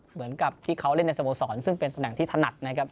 เหมือนกับที่เขาเล่นในสโมสรซึ่งเป็นตำแหน่งที่ถนัดนะครับ